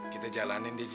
kita jalanin deh ji